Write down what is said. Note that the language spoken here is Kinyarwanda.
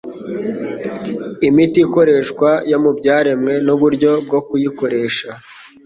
imiti ikoreshwa yo mu byaremwe n’uburyo bwo kuyikoresha.